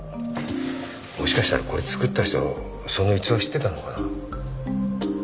もしかしたらこれ作った人その逸話知ってたのかな？